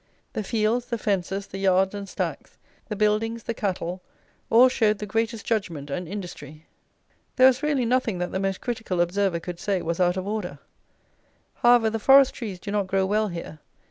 The fields, the fences, the yards and stacks, the buildings, the cattle, all showed the greatest judgment and industry. There was really nothing that the most critical observer could say was out of order. However, the forest trees do not grow well here.